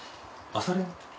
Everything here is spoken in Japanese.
朝練。